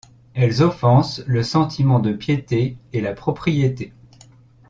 Elles offensent le sentiment de piété et la propriété.